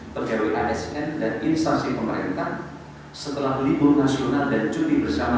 pegawai asn dan instansi pemerintah setelah libur nasional dan cuti bersama